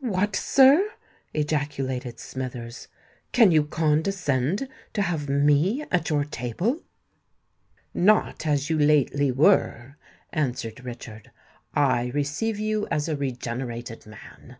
"What, sir!" ejaculated Smithers; "can you condescend to have me at your table?" "Not as you lately were," answered Richard: "I receive you as a regenerated man."